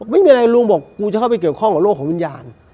ไม่มีอะไรลุงบอกกูจะเข้าไปเกี่ยวข้องกับโลกของวิญญาณ